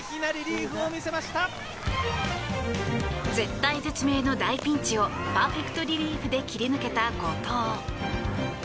絶体絶命の大ピンチをパーフェクトリリーフで切り抜けた後藤。